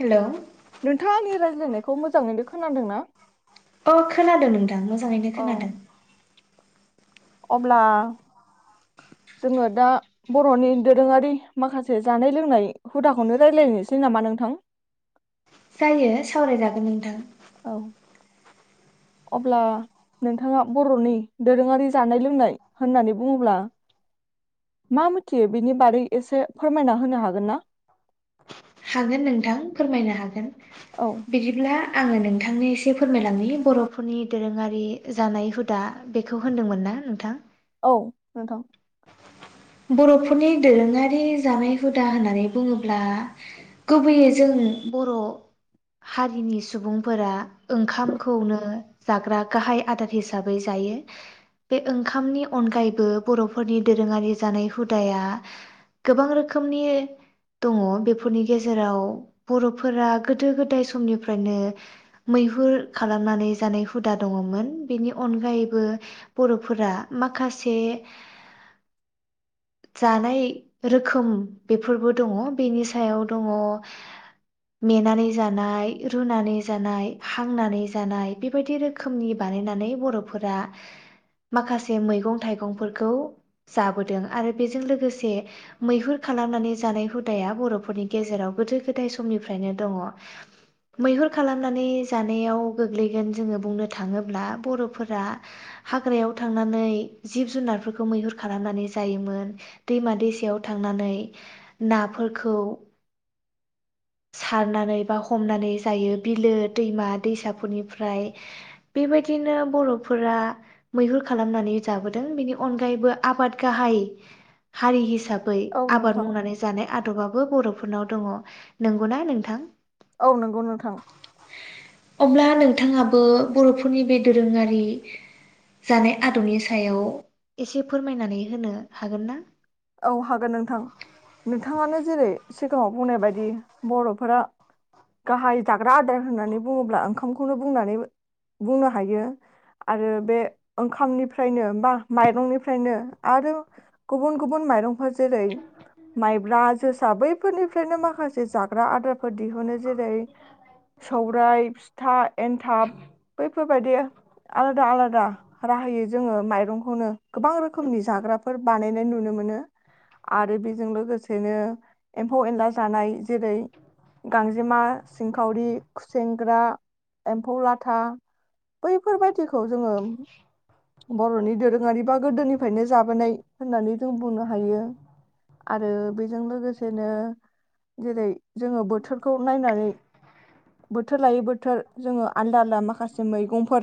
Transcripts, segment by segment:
हेल' नोंथाङा आंनि रायज्लायनायखौ मोजाङैनो खोनादोंना अ खोनादों नोंथां मोजाङैनो औ खोनादों अब्ला जोङो दा बर'नि दोरोङारि माखासे जानाय लोंनाय हुदाखौनो रायज्लायनोसै नामा नोंथां जायो सावरायजागोन नोंथां औ अब्ला नोंथाङा बर'नि दोरोङारि जानाय लोंनाय होननानै बुङोब्ला मा मिथियो बेनि बागै एसे फोरमायना होनो हागोन ना? हागोन नोंथां फोरमायनो हागोन औ बिदिब्ला। आङो नोंथांनो एसे फोरमायलांनि बर'फोरनि दोरोङारि जानाय हुदा बेखौ होनदोंमोन ना नोंथां। औ नोंथां बर'फोरनि दोरोङारि जानाय हुदा होननानै बुङोब्ला गुबैयै जों बर' हारिनि सुबुंफोरा ओंखामखौनो जाग्रा गाहाय आदार हिसाबै जायो बे ओंखामनि अनगायैबो बर' फोरनि दोरोङारि जानाय हुदाया गोबां रोखोमनि दङ बेफोरनि गेजेराव बर'फोरा गोदो गोदाय समनिफ्रायनो मैहुर खालामनानै जानाय हुदा दङमोन बेनि अनगायैबो बर'फोरा माखासे जानाय रोखोम बेफोरबो दङ बेनि सायाव दङ मेनानै जानाय रुनानै जानाय हांनानै जानाय बेबायदि रोखोमनि बानायनानै बर'फोरा माखासे मैगं थाइगंफोरखौ जाबोदों आरो बेजों लोगोसे मैहुर खालामनानै जानाय हुदाया बर'फोरनि गेजेराव गोदो गोदाय समनिफ्रायनो दङ मैहुर खालामनानै जानायाव गोग्लैगोन जोङो बुंनो थाङोब्ला बर'फोरा हाग्रायाव थांनानै जिब जुनारफोरखौ मैहुर खालामनानै जायोमोन दैमा दैसायाव थांनानै नाफोरखौ सारनानै बा हमनानै जायो बिलो दैमा दैसाफोरनिफ्राय बेबायदिनो बर'फोरा मैहुर खालामनानै जाबोदों बेनि अनगायैबो आबाद गाहाय हारि हिसाबै औ आबाद नोंथां मावनानै जानाय आदार आदबाबो बर'फोरनाव दङ नंगौना नोंथां औ नंगौ नोंथां अब्ला नोंथाङाबो बर'फोरनि बे दोरोङारि जानाय आदबनि सायाव एसे फोरमायनानै होनो हागोन ना? औ हागोन नोंथां नोंथाङानो जेरै सिगाङाव बुंनाय बायदि बर'फोरा गाहाय जाग्रा आदार होननानै बुङोब्ला ओंखामखौनो बुंनानै बुंनो हायो आरो बे ओंखामनिफ्रायनो बा माइरंनिफ्रायनो आरो गुबुन गुबुन माइरं जेरै माइब्रा जोसा बैफोरनिफ्रायनो माखासे जाग्रा आदार दिहुनो जेरै सौराइ फिथा एन्थाब बैफोरबायदि आलादा आलादा राहायै जोङो माइरंखौनो गोबां रोखोमनि जाग्राफोर बानायनाय नुनो मोनो। आरो बेजों लोगोसेनो एम्फौ एनला जानाय जेरै गांजेमा सिंखावरि खुसेेंग्रा एम्फौ लाथा बैफोरबायदिखौ जोङो बर'नि दोरोङारि बा गोदोनिफ्रायनो जाबोनाय होननानै जों बुंनो हायो आरो बेजों लोगोसेनो जेरै जोङो बोथोरखौ नायनानै बोथोर लायै बोथोर जोङो आलदा आलदा माखासे मैगंफोर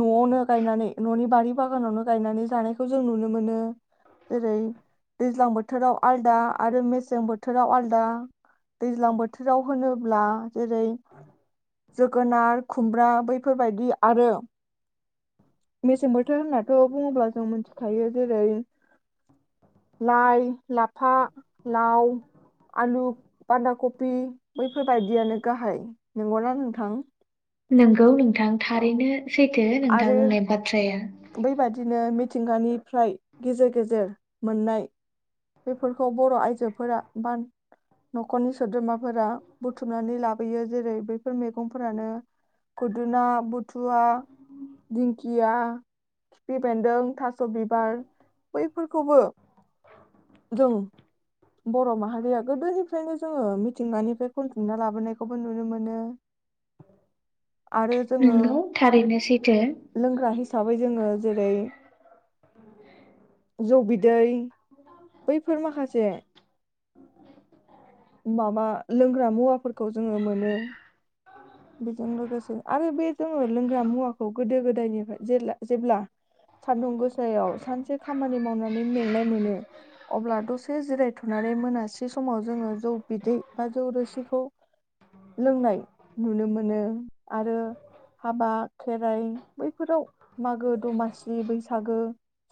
न'आवनो गायनानै न'नि बारि बागानावनो गायनानै जानायखौ जों नुनो मोनो जेरै दैज्लां बोथोराव आलदा आरो मेसें बोथोराव आलदा दैज्लां बोथोराव होनोब्ला जेरै जोगोनार खुमब्रा बैफोरबायदि आरो मेसें बोथोर होननाथ' बुङोब्ला जों मिथिखायो जेरै लाइ लाफा लाव आलु बान्दा कफि बैफोरबायदियानो गाहाय नंगौना नोंथां। नोंगौ नोंथां औ थारैनो थो नोंथां बुंनाय बाथ्राया बैबदिनो मिथिंगानिफ्राय गेजेर गेजेर मोननाय बेफोरखौ बर' आइजोफोरा बा न'खरनि सोद्रोमाफोरा बुथुमनानै लाबोयो जेरै बैफोर मैगंफोरानो खुदुना बुथुवा दिंखिया खिफि बेन्दों थास थास बिबार बैफोरखौबो जों बर' माहारिया गोदोनिफ्रायनो जोङो मिथिंगानिफ्राय खनथुमनामना लाबोनायखौबो नुनो मोनो। आरो जोङो नोंगौ थारैनो सैथो। लोंग्रा हिसाबै जोङो जेरै जौ बिदै बैफोर माखासे माबा लोंग्रा मुवाफोरखौ जोङो मोनो बेजों लोगोसे आरो बे जोङो लोंग्रा मुवाखौ गोदो गोदायनिफ्राय जे जेब्ला सानदुं गोसायाव सानसे खामानि मावनानै मेंनाय मोनो अब्ला दसे जिरायथ'नानै मोनासे समाव जोङो जौ बिदै बा जौ रोसिखौ लोंनाय नुनो मोनो आरो हाबा खेराइ बैफोराव मागो दमासिलि बैसागो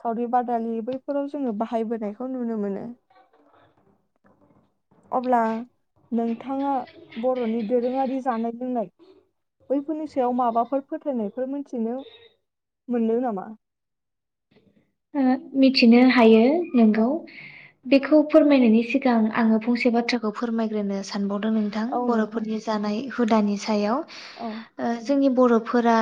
सावरि बादालि बैफोराव जोङो बाहायबोनायखौ नुनो मोनो अब्ला नोंथाङा बर'नि दोरोङारि जानाय लोंनाय बैफोरनि सायाव माबाफोर फोथायनायफोर मोनथिनो मोनो नामा मिथिनो हायो औ नोंगौ बेखौ फोरमायनायनि सिगां आङो फंसे बाथ्राखौ फोरमायग्रोनो सानबावदों नोंथां औ नोंथां बर'फोरनि जानाय हुदानि सायाव औ ओ जोंनि बर'फोरा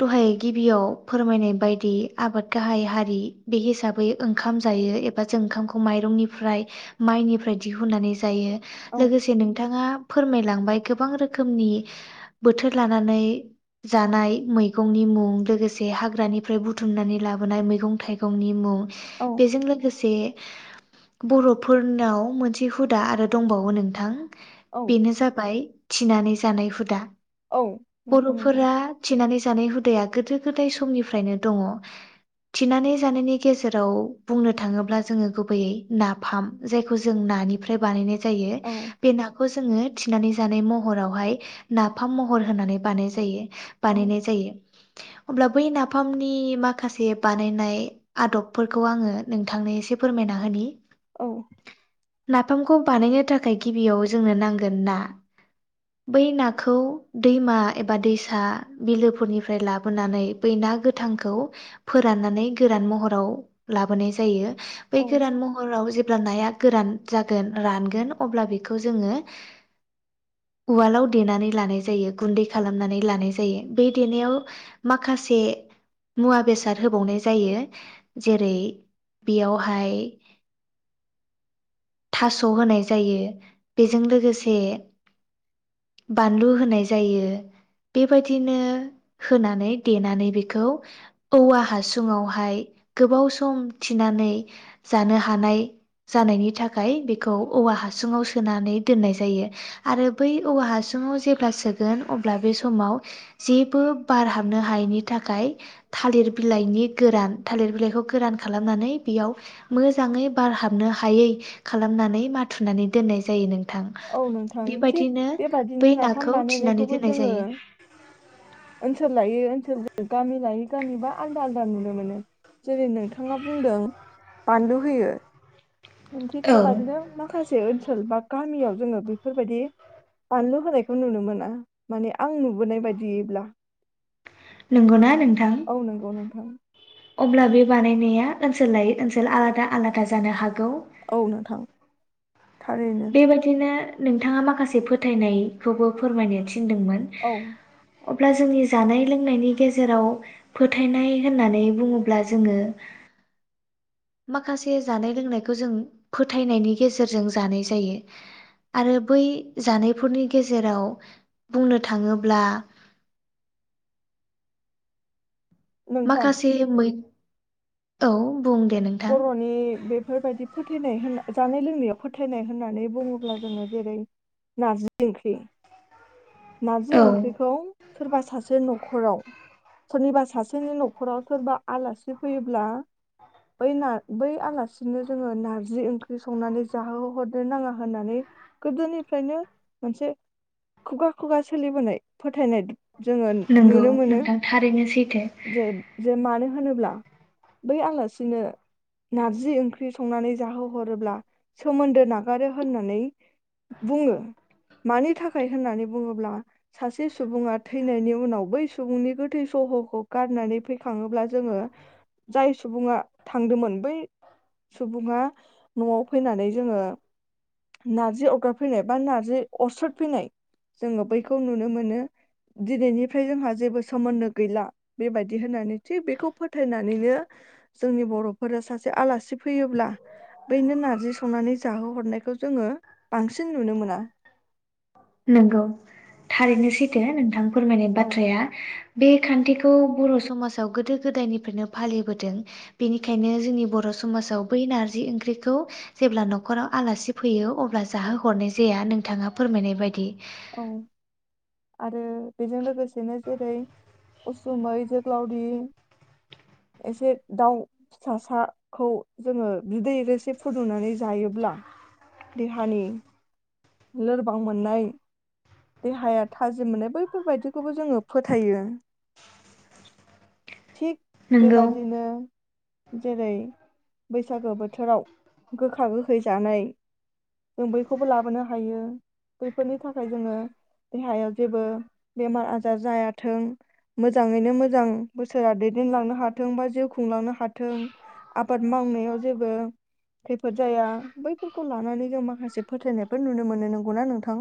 दहाय गिबियाव फोरमायनाय बायदि आबाद गाहाय हारि बे हिसाबै ओंखाम जायो एबा जों ओंखामखौ माइरंनिफ्राय माइनिफ्राय दिहुननानै जायो औ लोगोसे नोंथाङा फोरमायलांबाय गोबां रोखोमनि बोथोर लानानै जानाय मैगंनि मुं लोगोसे हाग्रानिफ्राय बुथुमनानै लाबोनाय मैगं थाइगं गावनि मुं औ बेजों लोगोसे बर'फोरनाव मोनसे हुदा आरो दंबावो नोंथां औ बेनो‌ जाबाय थिनानै जानाय हुदा औ नोंथां नंगौ बर'फोरा थिनानै जानाय हुदाया गोदो गोदाय समनिफ्रायनो दङ थिनानै जानायनि गेजेराव बुंनो थाङोब्ला जोङो गुबैयै नाफाम जायखौ जों नानिफ्राय बानायनाय जायो औ बे नाखौ जोङो थिनानै जानाय महरावहाय नाफाम महर होनानै बानाय जायो औ बानायनाय जायो अब्ला बै नाफामनि माखासे बानायनाय आदबफोरखौ आङो नोंथांनो एसे फोरमायना होनि औ नाफामखौ बानायनो थाखाय गिबियाव जोंनो नांगोन ना बै नाखौ दैमा एबा दैसा बिलोफोरनिफ्राय लाबोनानै बै ना गोथांखौ फोराननानै गोरान महराव लाबोनाय जायो बै औ गोरान महराव जेब्ला नाया गोरान जागोन रानगोन अब्ला बेखौ जोङो उवालाव देनानै लानाय जायो गुन्दै खालामनानै लानाय जायो बे देनायाव माखासे मुवा बेसाद होबावनाय जायो जेरै बेयावहाय थास' होनाय जायो बेजों लोगोसे बानलु होनाय जायो बेबायदिनो होनानै देनानै बेखौ औवा हासुङावहाय गोबाव सम थिनानै जानो हानाय जानायनि थाखाय थाखाय बेखौ औवा हासुङाव सोनानै दोननाय जायो आरो बै औवा हासुङाव जेब्ला सोगोन अब्ला बे समाव जेबो बार हाबनो हायैनि थाखाय थालिर बिलाइनि गोरान थालिर बिलाइखौ गोरान खालामनानै बेयाव मोजाङै बारहाबनो हायै खालामनानै माथुनानै दोननाय जायो नोंथां औ नोंथां थिग बेबायदिनो बै बेबादिनो नाफाम नाखौ थिनानै बानायनायखौबो दोननाय जोङो जायो। ओनसोल लायै ओनसोल गामि लायै गामिबा आलदा आलदा नुनो मोनो जेरै नोंथाङा बुंदों बानलु होयो। थिक औ बेबादिनो माखासे ओनसोल ओनसोल बा गामियाव जोङो बेफोरबायदि बानलु होनायखौ नुनो मोना माने आं नुबोनाय बायदियैब्ला नोंगौना नोंथां औ नंगौ नोंथां अब्ला बे बानायनाया ओनसोल लायै ओनसोल आलादा आलादा जानो हागौ। औ नोंथां थारैनो बेबायदिनो नोंथाङा माखासे फोथायनायखौबो फोरमायनो थि थिनदोंमोन औ अब्ला जोंनि जानाय लोंनायनि गेजेराव फोथायनाय होननानै बुङोब्ला जोङो माखासे जानाय लोंनायखौ जों फोथायनायनि गेजेरजों जानाय जायो आरो बै जानायफोरनि गेजेराव बुंनो थाङोब्ला नोंथां माखासे मै औ बुं दे नोंथां। बर'नि बेफोरबायदि फोथानाय होनना जानाय लोंनायाव फोथायनाय होननानै बुङोब्ला जोङो जेरै नारजि ओंख्रि नारजि औ ओंख्रिखौ सोरबा सासे न'खराव सोरनिबा सासेनि न'खराव सोरबा आलासि फैयोब्ला बै बै आलासिनो जोङो नारजि ओंख्रि संनानै जाहोहरनो नाङा होननानै गोदोनिफ्रायनो मोनसे खुगा खुगा सोलिबोनाय फोथायनाय जोङो नंगौ नुनो मोनो नोंथां थारैनो सैथो जे जे मानो होनोब्ला बै आलासिनो नारजि ओंख्रि संनानै जाहोहरोब्ला सोमोन्दो नागारो होननानै बुङो मानि थाखाय होननानै बुङोब्ला सासे सुबुङा थैनायनि उनाव बै सुबुंनि गोथै सहखौ गारनानै फैखाङोब्ला जोङो जाय सुबुङा थांदोंमोन बै सुबुङा न'आव फैनानै जोङो नारजि अरगाबफैनाय बा नारजि अरस्रद फैनाय जोङो बैखौ नुनो मोनो दिनैनिफ्राय जोंहा जेबो सोमोन्दो गैला बेबायदि होननानै थिग बेखौ फोथायनानैनो जोंनि बर'फोरा सासे आलासि सि फैयोब्ला बैनो नारजि संनानै जाहोहरनायखौ जोङो बांसिन नुनो मोना नंगौ थारैनो सैथो नोंथां फोरमायनाय औ बाथ्राया बे खान्थिखौ बर' समाजाव गोदो गोदायनिफ्रायनो फालिबोदों बेनिखायनो जोंनि बर' समाजाव बै नारजि ओंख्रिखौ जेब्ला न'खराव आलासि फैयो अब्ला जाहो हरनाय जाया नोंथाङा फोरमायनाय बायदि [inaudible] औ आरो बेजों लोगोसेनो जेरै उसुमै जोग्लावदि एसे दाउ फिसासाखौ जोङो बिदै रोसि फुदुंनानै जायोब्ला देहानि लोरबां मोननाय देहाया थाजिम मोननाय बैफोरबायदिखौबो जोङो फोथायो। थिग नंगौ बेबादिनो जेरै बैसागो बोथोराव गोखा गोखै जानाय जों बयखौबो लाबोनो हायो बैफोरनि थाखाय जोङो देहायाव जेबो बेमार आजार जायाथों मोजाङैनो मोजां बोसोरा दैदेनलांनो हाथों बा जिउ खुंलांनो हाथों आबाद मावनायाव जेबो खैफोद जाया बैफोरखौ लानानै जों माखासे फोथायनायफोर नुनो मोनो नंगौना नोंथां?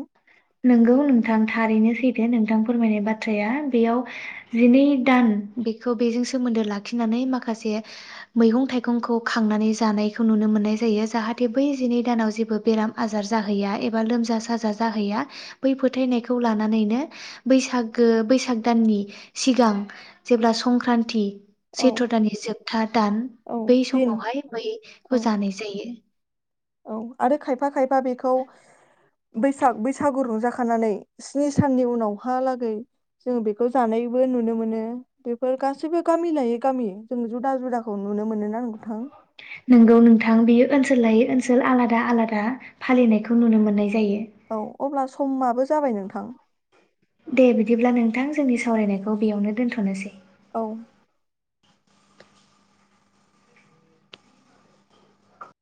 नोंगौ नोंथां थारैनो सैदो नोंथां फोरमायनाय बाथ्राया बेयाव जिनै दान बेखौ बेजों सोमोन्दो लाखिनानै माखासे मैगं थाइगंखौ खांनानै जानायखौ नुनो मोननाय जायो जाहाथे बै जिनै दानाव जेबो बेराम आजार जाहैया एबा लोमजा साजा जाहैया बै फोथायनायखौ लानानैनो बैसागो बैसाग दाननि सिगां जेब्ला संक्रान्ति औ सेैथ्र' दानानि जोबथा दान औ बै दिन समावहाय औ बैखौ जानाय जायो। औ आरो खायफा खायफा बेखौ बैसाग बैसागु रंजाखानानै स्नि साननि उनावहालागै जों बेखौ जानायबो नुनो मोनो बेफोर गासैबो गामि लायै गामि जों जुदा जुदाखौ नुनो मोनो नंगौ नोंथां बियो ओनसोल लायो ओनसोल आलादा आलादा फालिनायखौ नुनो मोननाय जायो औ अब्ला समाबो जाबाय नोंथां दे बिदिब्ला नोंथां जोंनि सावरायनायखौ बेयावनो दोन्थ'नोसै औ